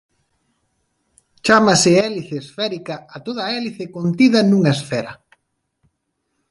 Chámase hélice esférica a toda hélice contida nunha esfera.